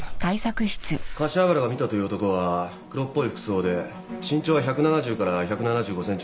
柏原が見たという男は黒っぽい服装で身長は１７０から１７５ｃｍぐらい。